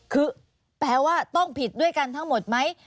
คือแปลว่าต้องผิดด้วยกันทั้งหมดไหม